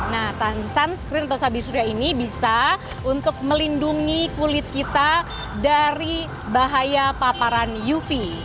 nah sunscreen atau sabi surya ini bisa untuk melindungi kulit kita dari bahaya paparan uv